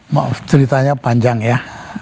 maaf ceritanya panjang ya